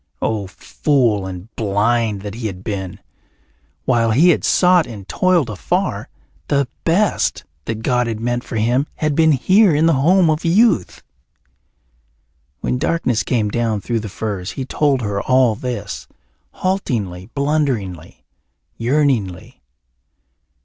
Oh, fool and blind that he had been! While he had sought and toiled afar, the best that God had meant for him had been here in the home of youth. When darkness came down through the firs he told her all this, haltingly, blunderingly, yearningly.